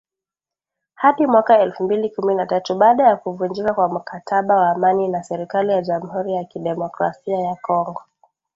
Hadi mwaka elfu mbili kumi na tatu baada ya kuvunjika kwa mkataba wa amani na serikali ya Jamhuri ya Kidemokrasia ya Kongo